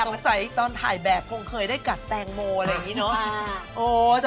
ตอนถ่ายแบบคงเคยได้กัดแตงโมอะไรอย่างนี้เนอะ